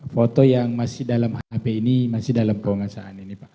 foto yang masih dalam hp ini masih dalam penguasaan ini pak